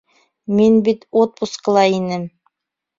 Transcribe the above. Мин бит отпускыла инем.